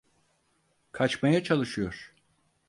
Kaçmaya çalışıyor.